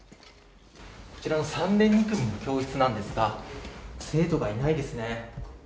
こちらの３年２組の教室なんですが生徒がいないですね。